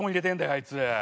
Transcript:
あいつ。